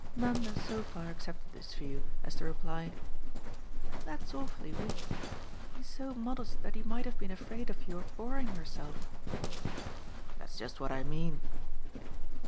Nanda so far accepted this view as to reply: "That's awfully weak. He's so modest that he might have been afraid of your boring yourself." "That's just what I mean."